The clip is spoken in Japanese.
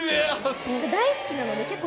大好きなので結構。